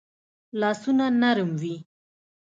لاسونه نرم وي